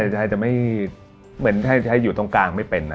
จะไม่มีเหมือนชัยอยู่ตรงกลางไม่เป็น